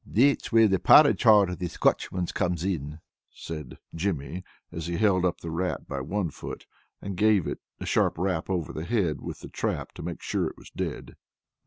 "That's where the porrage heart of the Scotchman comes in," said Jimmy, as he held up the rat by one foot, and gave it a sharp rap over the head with the trap to make sure it was dead.